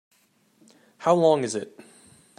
How long is it?